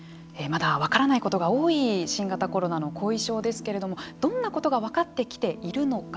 まだ分からないことが多い新型コロナの後遺症ですけれどもどんなことが分かってきているのか。